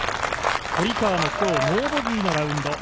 堀川も今日ノーボギーのラウンド。